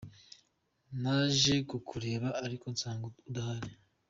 Naje kukureba ariko nsanga udahari.